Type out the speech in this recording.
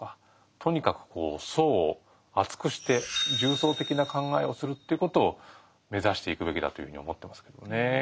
とにかくこう層を厚くして重層的な考えをするということを目指していくべきだというふうに思ってますけどもね。